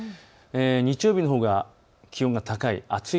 日曜日のほうが気温が暑い。